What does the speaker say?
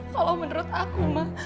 kalau menurut aku ma